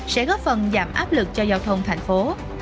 sẽ góp phần giảm áp lực cho giao thông thành phố